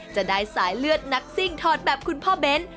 จะได้สายเลือดนักซิ่งถอดแบบคุณพ่อเบ้น